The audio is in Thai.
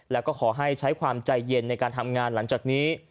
แล้วก็ขอให้ใช้ความใจเย็นในการทำงานหลังจากนี้